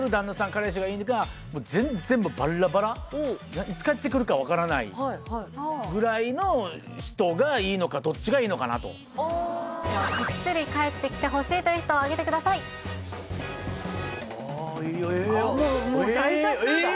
彼氏がいいのかもう全然バラバラいつ帰ってくるか分からないぐらいの人がいいのかどっちがいいのかなとではきっちり帰ってきてほしいという人はあげてくださいはあえ！